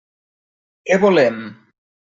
Què volem?